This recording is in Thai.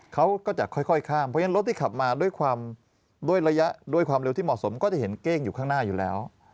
เขาก็จะค่อยข้ามเพราะฉะนั้นรถที่ขับมาด้วยความด้วยระยะด้วยความเร็วที่เหมาะสมก็จะเห็นเก้งอยู่ข้างหน้าอยู่แล้ว